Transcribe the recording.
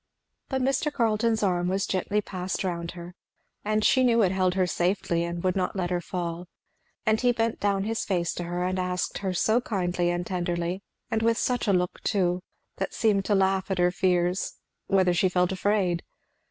But Mr. Carleton's arm was gently passed round her, and she knew it held her safely and would not let her fall, and he bent down his face to her and asked her so kindly and tenderly, and with such a look too, that seemed to laugh at her fears, whether she felt afraid?